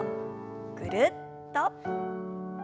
ぐるっと。